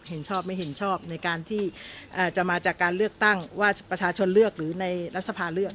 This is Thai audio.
เห็นชอบไม่เห็นชอบในการที่จะมาจากการเลือกตั้งว่าประชาชนเลือกหรือในรัฐสภาเลือก